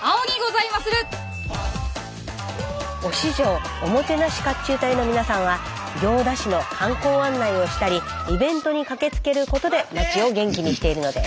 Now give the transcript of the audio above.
忍城おもてなし甲冑隊の皆さんは行田市の観光案内をしたりイベントに駆けつけることで町を元気にしているのです。